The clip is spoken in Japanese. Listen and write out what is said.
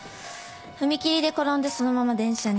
踏切で転んでそのまま電車に。